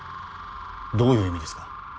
どういう意味ですか？